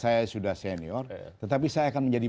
saya sudah senior tetapi saya akan menjadi